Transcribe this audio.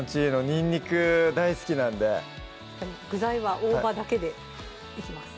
にんにく大好きなんで具材は大葉だけでいきます